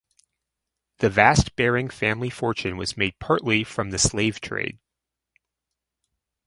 The vast Baring family fortune was made partly from the slave trade.